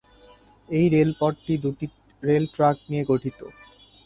এই রেলপথটি দুটি rail track নিয়ে গঠিত।